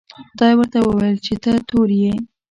خدای ورته وویل چې ته تور یې.